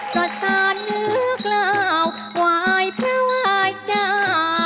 พระสานึกล้าวว่าไอ้เผาไอ้เจ้า